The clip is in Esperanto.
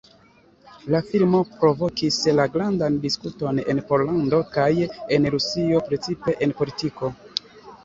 La filmo provokis la grandan diskuton en Pollando kaj en Rusio precipe en politiko.